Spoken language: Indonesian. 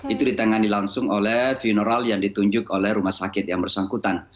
itu ditangani langsung oleh vineral yang ditunjuk oleh rumah sakit yang bersangkutan